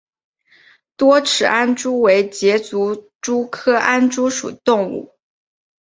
多齿安蛛为栉足蛛科安蛛属的动物。